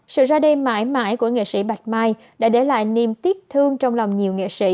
sự ra đêm mãi mãi của nghệ sĩ bạch mai đã để lại niềm tiếc thương trong lòng nhiều nghệ sĩ